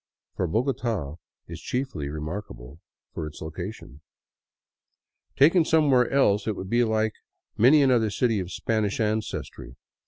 For Bogota is chiefly remarkable for its location. Taken somewhere else it would be like many another city of Spanish ancestry.